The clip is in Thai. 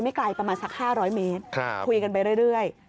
ไกลประมาณสัก๕๐๐เมตรคุยกันไปเรื่อย